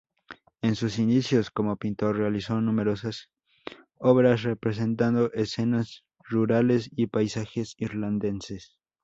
En sus inicios como pintor realizó numerosas obras representando escenas rurales y paisajes irlandeses.